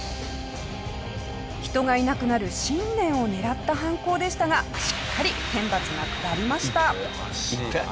人がいなくなる新年を狙った犯行でしたがしっかり天罰が下りました。